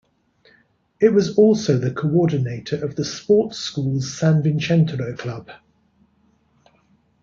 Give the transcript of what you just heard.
It was also the Coordinator of the sports schools sanvicentero club.